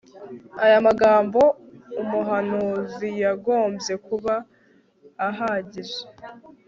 Aya magambo umuhanuzi yagombye kuba ahagije